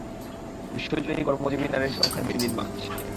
বিশ্বজুড়েই কর্মজীবী নারীর সংখ্যা দিন দিন বাড়ছে।